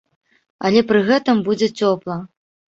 Але пры гэтым будзе цёпла.